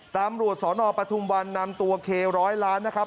ตำรวจสนปฐุมวันนำตัวเคร้อยล้านนะครับ